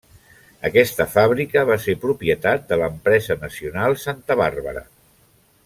Aquesta fàbrica va ser propietat de l'Empresa Nacional Santa Bàrbara.